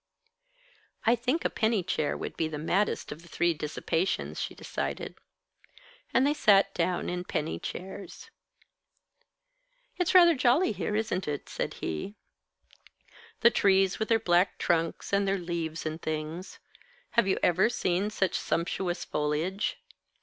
"I think a penny chair would be the maddest of the three dissipations," she decided. And they sat down in penny chairs. "It's rather jolly here, isn't it?" said he. "The trees, with their black trunks, and their leaves, and things. Have you ever seen such sumptuous foliage?